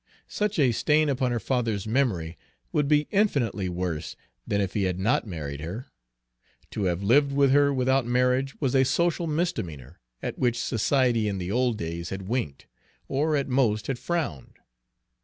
Such a stain upon her father's memory would be infinitely worse than if he had not married her. To have lived with her without marriage was a social misdemeanor, at which society in the old days had winked, or at most had frowned.